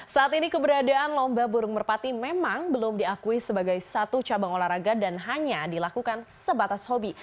saat ini keberadaan lomba burung merpati memang belum diakui sebagai satu cabang olahraga dan hanya dilakukan sebatas hobi